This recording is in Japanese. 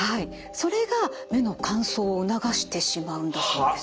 それが目の乾燥を促してしまうんだそうです。